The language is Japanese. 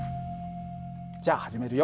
じゃあ始めるよ。